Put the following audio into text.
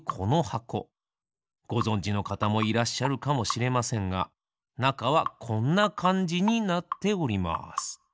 ごぞんじのかたもいらっしゃるかもしれませんがなかはこんなかんじになっております。